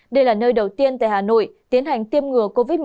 đây là nơi đầu tiên tại hà nội tiến hành tiêm ngừa covid một mươi chín